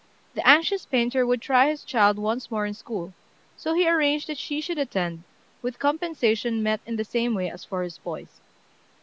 The anxious painter would try his child once more in school; so he arranged that she should attend, with compensation met in the same way as for his boys.